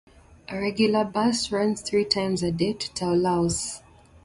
A regular bus service runs three times a day to Toulouse.